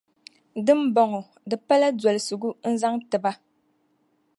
Di ni bɔŋɔ, di pala dolsigu n-zaŋ tiba.